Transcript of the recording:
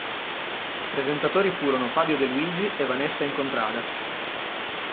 Presentatori furono Fabio De Luigi e Vanessa Incontrada.